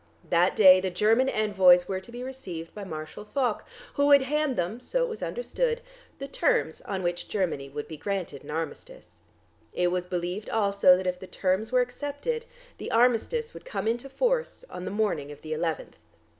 That day the German envoys were to be received by Marshal Foch, who would hand them so it was understood the terms on which Germany would be granted an armistice. It was believed also that if the terms were accepted, the armistice would come into force on the morning of the eleventh.